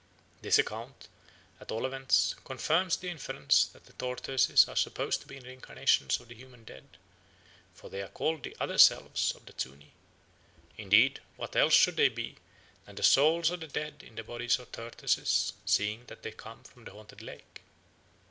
This account at all events confirms the inference that the tortoises are supposed to be reincarnations of the human dead, for they are called the "otherselves" of the Zuni; indeed, what else should they be than the souls of the dead in the bodies of tortoises seeing that they come from the haunted lake?